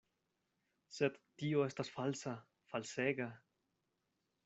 Sed tio estas falsa, falsega.